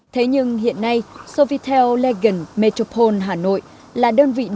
thế nhưng hiện nay sofitel legand metropole hà nội là đơn vị tốt nhất